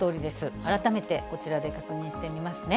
改めてこちらで確認してみますね。